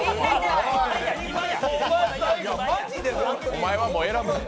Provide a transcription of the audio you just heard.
お前はもう選ぶな。